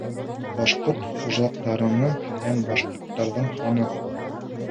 Башҡорт хужалыҡтарының һәм башҡорттарҙың һаны.